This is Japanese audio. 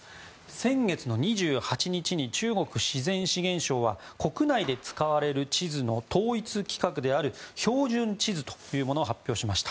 先月の２８日に中国自然資源省は国内で使われる地図の統一規格である標準地図というものを発表しました。